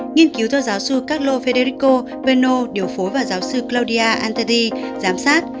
nghiên cứu do giáo sư carlo federico venno điều phối và giáo sư claudia antetti giám sát